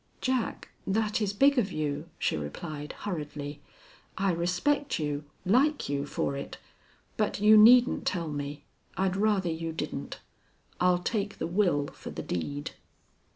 "Jack, that is big of you," she replied, hurriedly. "I respect you like you for it. But you needn't tell me. I'd rather you didn't. I'll take the will for the deed."